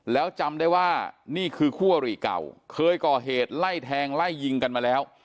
แล้วจำได้ว่านี่คือคู่อริเก่าเคยก่อเหตุไล่แทงไล่ยิงกันมาแล้ว